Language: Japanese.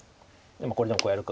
これでもこうやるか。